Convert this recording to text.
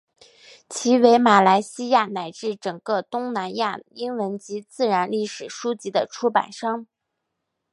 其为马来西亚乃至整个东南亚英文及自然历史书籍的出版商。